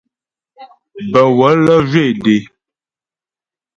Bə̀ wələ zhwé dé.